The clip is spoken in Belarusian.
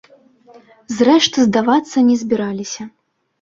Зрэшты, здавацца не збіраліся.